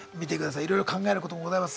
いろいろ考えることもございます。